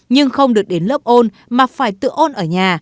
nhưng không được đến lớp ôn mà phải tự ôn ở nhà